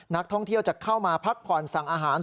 นักท่องเที่ยวจะเข้ามาพักผ่อนสั่งอาหาร